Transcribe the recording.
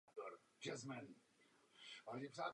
Je považován za nejlepšího rumunského útočníka v historii.